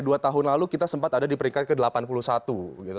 dua tahun lalu kita sempat ada di peringkat ke delapan puluh satu